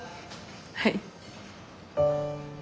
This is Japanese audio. はい。